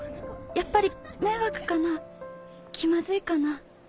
やっぱり迷惑かな気まずいかな。